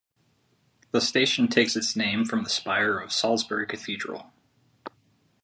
The station takes its name from the spire of Salisbury Cathedral.